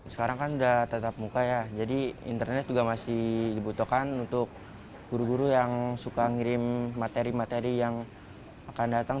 sekarang kan sudah tetap muka ya jadi internet juga masih dibutuhkan untuk guru guru yang suka ngirim materi materi yang akan datang